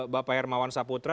bapak hermawan saputra